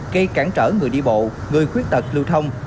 gây cản trở người đi bộ người khuyết tật lưu thông